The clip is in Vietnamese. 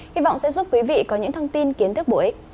hy vọng sẽ giúp quý vị có những thông tin kiến thức buổi